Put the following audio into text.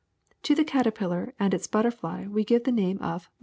To the caterpillar and its butterfly we give the name of moth.